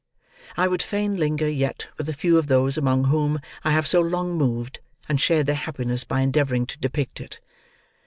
I would fain linger yet with a few of those among whom I have so long moved, and share their happiness by endeavouring to depict it.